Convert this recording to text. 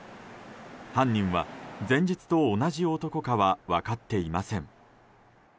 犯人は、前日と同じ男かは分かっていません。